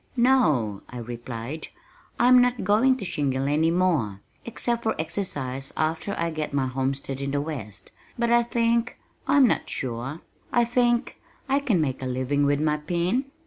"No," I replied, "I'm not going to shingle any more except for exercise after I get my homestead in the west but I think I'm not sure I think I can make a living with my pen."